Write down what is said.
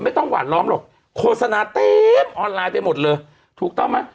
หวานล้อมหรอกโฆษณาเต็มออนไลน์ไปหมดเลยถูกต้องไหม